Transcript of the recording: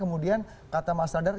kemudian kata mas radar